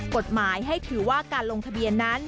กฎหมายให้ถือว่าการลงทะเบียนนั้น